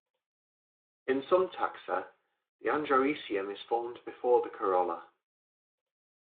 In some taxa, the androecium is formed before the corolla.